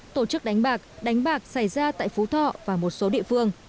tổ chức đánh bạc đánh bạc xảy ra tại phú thọ và một số địa phương